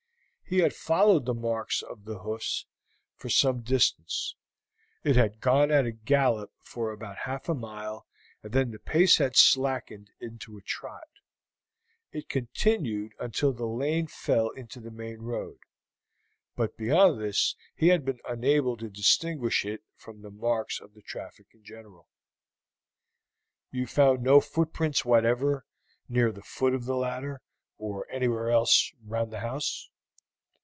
He had followed the marks of its hoofs for some distance; it had gone at a gallop for about half a mile, and then the pace had slackened into a trot. It continued until the lane fell into the main road, but beyond this he had been unable to distinguish it from the marks of the traffic in general. "You found no footprints whatever near the foot of the ladder, or anywhere else round the house?"